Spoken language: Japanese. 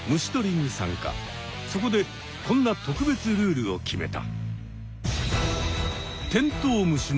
そこでこんな特別ルールを決めた！